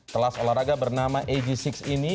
kelas olahraga bernama ag enam ini